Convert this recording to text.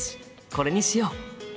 これにしよう。